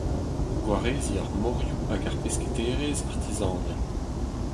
Gwareziñ ar morioù hag ar pesketaerezh artizanel.